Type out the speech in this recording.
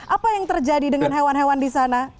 apa yang terjadi dengan hewan hewan di sana